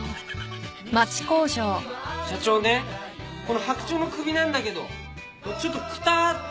社長ねこの白鳥の首なんだけどちょっとくたーって。